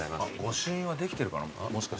御朱印はできてるかな？